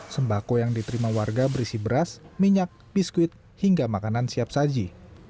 sembako yang diterima warga berisi beras minyak biskuit hingga makanan siap saji